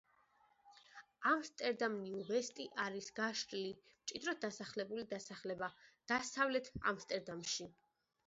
ამსტერდამ-ნიუ-ვესტი არის გაშლილი, მჭიდროდ დასახლებული დასახლება დასავლეთ ამსტერდამში.